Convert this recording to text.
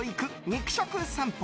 肉食さんぽ。